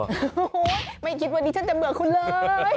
โอ้โหไม่คิดวันนี้ฉันจะเบื่อคุณเลย